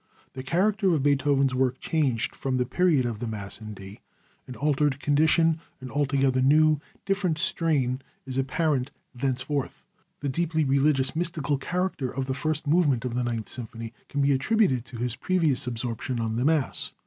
The character of Beethoven's work changed from the period of the Mass in D. An altered condition, an altogether new, different strain is apparent thenceforth. The deeply religious, mystical character of the first movement of the Ninth Symphony can be attributed to his previous absorption on the Mass.